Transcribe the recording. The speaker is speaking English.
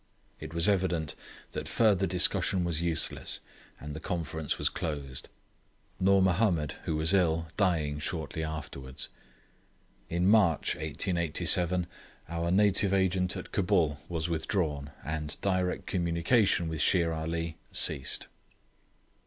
It was evident that further discussion was useless, and the conference was closed; Noor Mahomed, who was ill, dying shortly afterwards. In March 1877 our native Agent at Cabul was withdrawn, and direct communication with Shere Ali ceased.